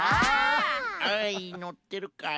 アイのってるかい？